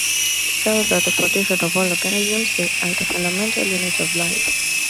Cells are the foundation of all organisms, they are the fundamental unit of life.